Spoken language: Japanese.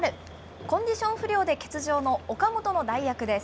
コンディション不良で欠場の岡本の代役です。